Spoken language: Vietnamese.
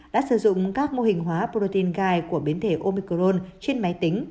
đã sử dụng các mô hình hóa protein gai của biến thể omicron trên máy tính